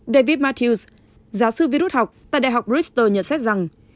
david matthews giáo sư vi rút học tại đại học bristol nhận xét rằng